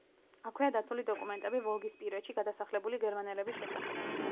აქვეა დაცული დოკუმენტები ვოლგისპირეთში გადასახლებული გერმანელების შესახებ.